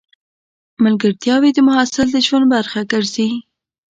ملګرتیاوې د محصل د ژوند برخه ګرځي.